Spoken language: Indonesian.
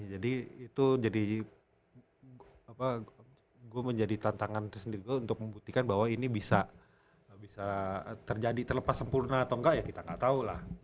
jadi itu jadi gue menjadi tantangan tersendiri gue untuk membuktikan bahwa ini bisa terjadi terlepas sempurna atau enggak ya kita gak tau lah